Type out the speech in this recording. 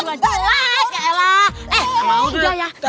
ampal gentong sih itu juga jelek